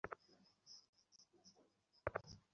আর লোকে বলে ও নাকি সান্থানামের মামা।